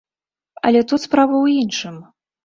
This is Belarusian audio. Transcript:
Але тут справа ў іншым.